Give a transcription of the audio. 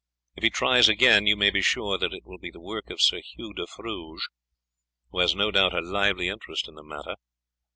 If he tries again, you may be sure that it will be the work of Sir Hugh de Fruges, who has no doubt a lively interest in the matter.